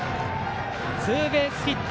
ツーベースヒット。